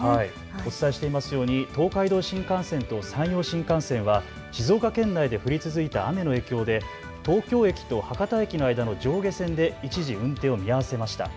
お伝えしていますように東海道新幹線と山陽新幹線は静岡県内で降り続いた雨の影響で東京駅と博多駅の間の上下線で一時、運転を見合わせました。